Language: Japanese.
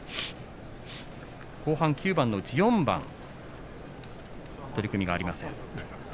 後半９番のうち４番取組がありません。